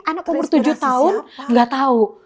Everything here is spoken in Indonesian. anak umur tujuh tahun nggak tahu